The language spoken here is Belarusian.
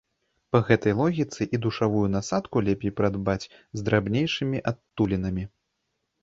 Па гэтай логіцы і душавую насадку лепей прыдбаць з драбнейшымі адтулінамі.